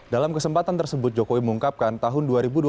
dalam kesempatan tersebut jokowi mengungkapkan tahun dua ribu dua puluh